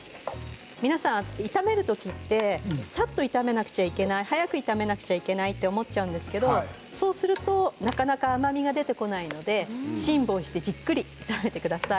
皆さん、炒めるときはさっと炒めなくてはいけない早く炒めなくてはいけないと思ってしまうんですけれどそうするとなかなか甘みが出てこないのでじっくりと炒めてください。